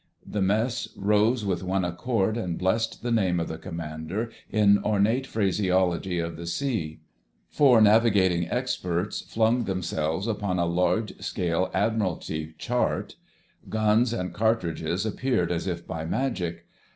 The Mess rose with one accord and blessed the name of the Commander in ornate phraseology of the Sea. Four navigating experts flung themselves upon a large scale Admiralty Chart: guns and cartridges appeared as if by magic.